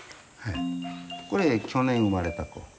これ去年生まれた子。